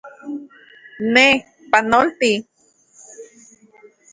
Ne, ¡panolti!